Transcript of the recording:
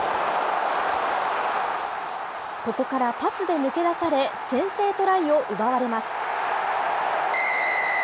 ここからパスで抜け出され、先制トライを奪われます。